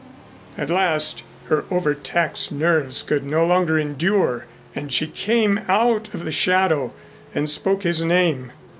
At last her overtaxed nerves could no longer endure and she came out of the shadow and spoke his name.